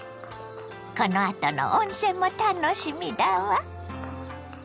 このあとの温泉も楽しみだわ。